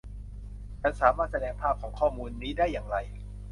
ฉันสามารถแสดงภาพของข้อมูลนี้ได้อย่างไร